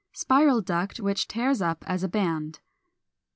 Spiral duct which tears up as a band.